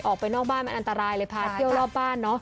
ออกไปนอกบ้านมันอันตรายเลยพาเที่ยวรอบบ้านเนอะ